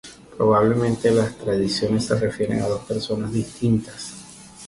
Probablemente las tradiciones se refieren a dos personas distintas.